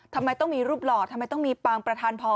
ทำไมต้องมีรูปหล่อทำไมต้องมีปางประธานพอ